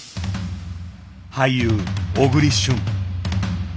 俳優小栗旬。